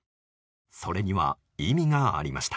それには、意味がありました。